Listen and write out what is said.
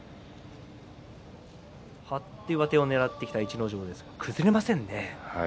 張って上手をねらってきた逸ノ城ですが、崩れませんね。